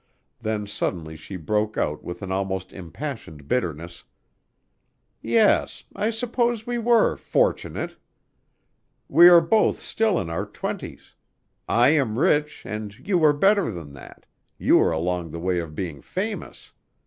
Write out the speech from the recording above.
Then suddenly she broke out with an almost impassioned bitterness, "Yes, I suppose we were fortunate! We are both still in our twenties. I am rich and you are better than that you are along the way of being famous.